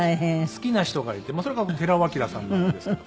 好きな人がいてまあそれが寺尾聰さんなんですけど。